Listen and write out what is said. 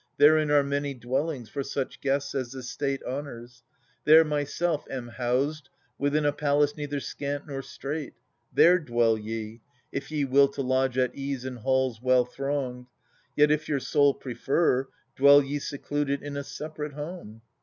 Therein are many dwellings for such guests As the State honours ; there myself am housed Within a palace neither scant nor strait. There dwell ye, if ye will to lodge at ease In halls well thronged : yet, if your soul prefer. Dwell ye secluded in a separate home.